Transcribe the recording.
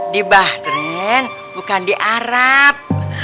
di bah tren bukan di arab